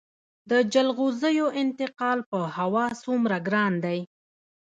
د جلغوزیو انتقال په هوا څومره ګران دی؟